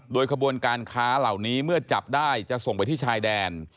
โดยขบวนการค้าเหล่านี้เมื่อจับได้จะส่งไปที่ชายแดน